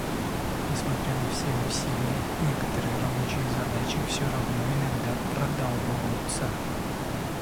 Несмотря на все усилия, некоторые рабочие задачи всё равно иногда продалбываются.